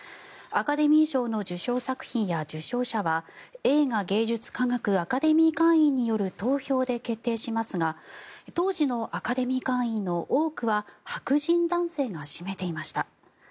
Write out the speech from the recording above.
アカデミー賞の受賞作品や受賞者は映画芸術科学アカデミー会員による投票で決定しますが当時のアカデミー会員の多くは白人男性が占めていました。